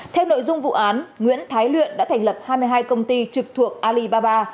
theo nội dung vụ án nguyễn thái luyện đã thành lập hai mươi hai công ty trực thuộc alibaba